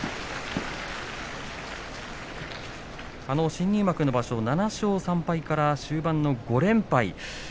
新入幕の場所７勝３敗から終盤の５連敗。